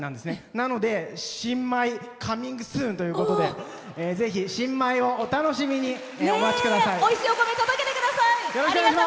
なので「新米ＣＯＭＩＮＧＳＯＯＮ」ということでぜひ、新米をお楽しみにお待ちください。